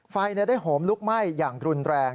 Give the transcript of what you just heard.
ไฟได้โหมลุกไหม้อย่างรุนแรง